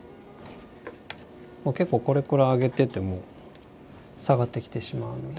結構これくらい上げてても下がってきてしまうので。